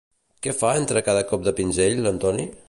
Què fa entre cada cop de pinzell l'Antoni?